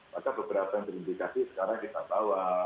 maka beberapa yang terindikasi sekarang kita bawa